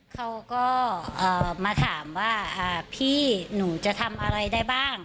เขาก็มาถามว่าพี่หนูจะทำอะไรได้บ้าง